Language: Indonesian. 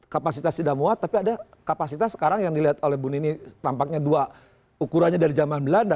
kapasitas tidak muat tapi ada kapasitas sekarang yang dilihat oleh bu nini tampaknya dua ukurannya dari zaman belanda